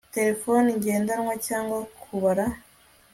Terefone ngendanwa cyangwa kubara